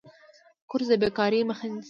کورس د بیکارۍ مخه نیسي.